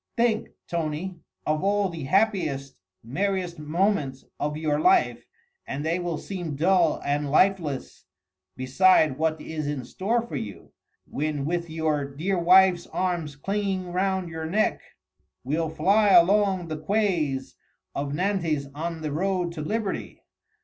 think, Tony! of all the happiest, merriest moments of your life and they will seem dull and lifeless beside what is in store for you, when with your dear wife's arms clinging round your neck, we'll fly along the quays of Nantes on the road to liberty!